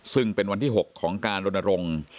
ซึ่งเป็นวันที่๖ของการลนรงค์